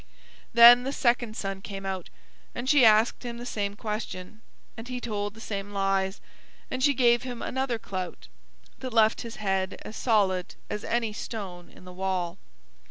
Then the second son came out, and she asked him the same question, and he told the same lies, and she gave him another clout that left his head as solid as any stone in the wall.